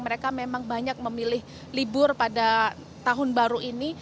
mereka memang banyak memilih libur pada tahun baru ini